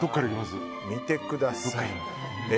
見てください！